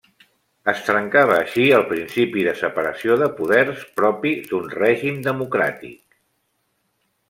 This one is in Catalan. Es trencava així el principi de separació de poders propi d'un règim democràtic.